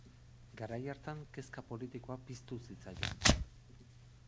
Garai hartan kezka politikoa piztu zitzaion.